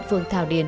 phường thảo điền